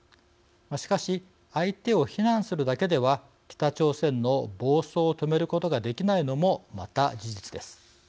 しかし相手を非難するだけでは北朝鮮の暴走を止めることができないのもまた事実です。